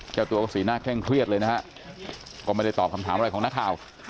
เจ้าตัวก็สีหน้าเคร่งเครียดเลยนะฮะก็ไม่ได้ตอบคำถามอะไรของนักข่าว